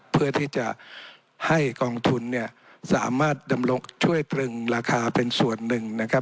เพื่อที่จะให้กองทุนเนี่ยสามารถดำรงช่วยตรึงราคาเป็นส่วนหนึ่งนะครับ